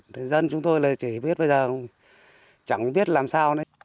thì dân chúng tôi là chỉ biết bây giờ chẳng biết làm sao nữa